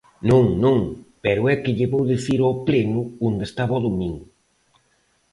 Non, non, pero é que lle vou dicir ao Pleno onde estaba o domingo.